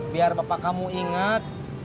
biar bapak kamu inget